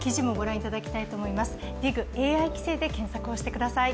「ＤＩＧＡＩ規制」で検索をしてください。